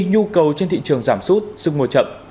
nhu cầu trên thị trường giảm sút sức mùa chậm